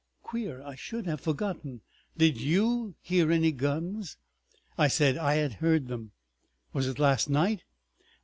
"Queer I should have forgotten! Did you hear any guns?" I said I had heard them. "Was it last night?"